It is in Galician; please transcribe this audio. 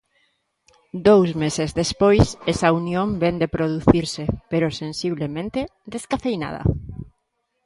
Dous meses despois esa unión vén de producirse, pero sensiblemente descafeinada.